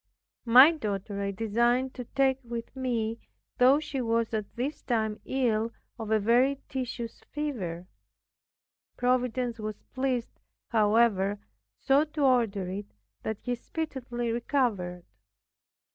My daughter I designed to take with me, though she was at this time ill of a very tedious fever. Providence was pleased, however, so to order it that she speedily recovered.